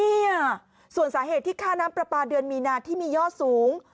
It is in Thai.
เนี่ยส่วนสาเหตุที่ค่าน้ำปลาปลาเดือนมีนาที่มียอดสูง